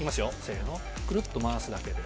くるっと回すだけで。